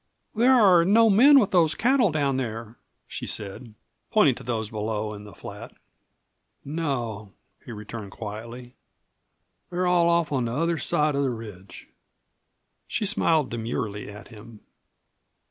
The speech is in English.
"There are no men with those cattle down there," she said, pointing to those below in the flat. "No," he returned quietly; "they're all off on the other side of the ridge." She smiled demurely at him.